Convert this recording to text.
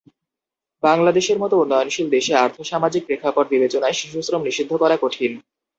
বাংলাদেশের মতো উন্নয়নশীল দেশে আর্থসামাজিক প্রেক্ষাপট বিবেচনায় শিশুশ্রম নিষিদ্ধ করা কঠিন।